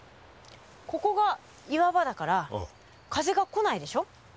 ここが岩場だから風が来ないでしょ。